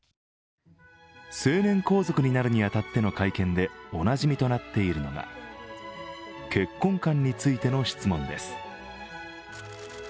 成年皇族になるに当たっての会見でおなじみとなっているのが結婚観についての質問です。